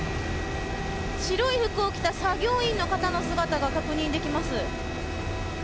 白い服を着た作業員の方の姿が確認できます。